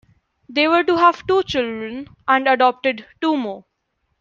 They were to have two children, and adopted two more.